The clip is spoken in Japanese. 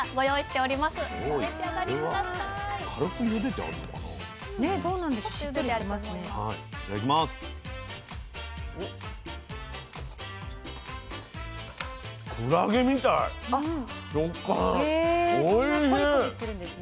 おいしい。へそんなコリコリしてるんですね。